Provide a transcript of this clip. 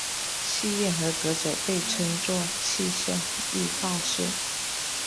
试验合格者被称作气象预报士。